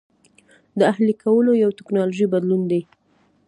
د اهلي کولو یو ټکنالوژیکي بدلون دی.